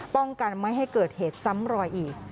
ป้องกันไม่ให้เกิดเหตุซ้ำรอยอีก